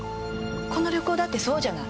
この旅行だってそうじゃない。